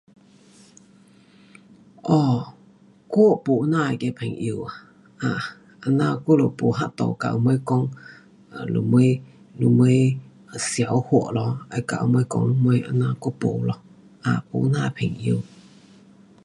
哦，我没这样那个朋友啊，啊，这样我就没办度跟他们讲什么，什么笑话咯，要给他们讲什么这样我没咯，没这样朋友。